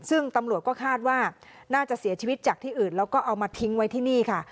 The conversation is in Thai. ซึ่งตำรวจก็คาดว่าน่าจะเสียชีวิตจากที่อื่นแล้วก็เอามาทิ้งไว้ที่นี่ค่ะ